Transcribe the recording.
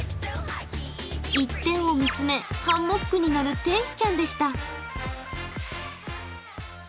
一点を見つめ、ハンモックに乗る天使ちゃんでした。